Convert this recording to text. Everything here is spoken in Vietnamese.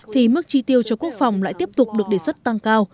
thì mức chi tiêu cho quốc phòng lại tiếp tục được đề xuất tăng cao